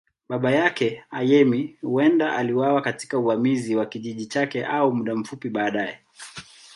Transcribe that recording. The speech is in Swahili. Baba yake, Ayemi, huenda aliuawa katika uvamizi wa kijiji chake au muda mfupi baadaye.